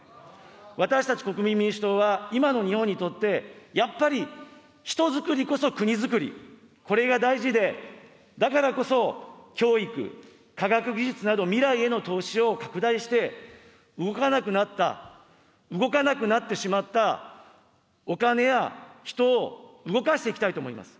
私たち国民民主党は、今の日本にとって、やっぱり、人づくりこそ国づくり、これが大事で、だからこそ、教育、科学技術など未来への投資を拡大して、動かなくなった、動かなくなってしまったお金や人を動かしていきたいと思います。